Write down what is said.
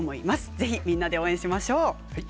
ぜひ、みんなで応援しましょう。